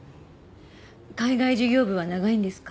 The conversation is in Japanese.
海外事業部は長いんですか？